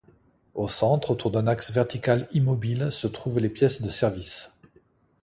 Au centre, autour d’un axe vertical immobile, se trouvent les pièces de service.